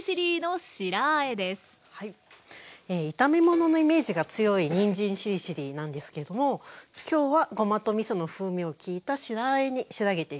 炒め物のイメージが強いにんじんしりしりーなんですけれども今日はごまとみその風味の利いた白あえに仕上げていきます。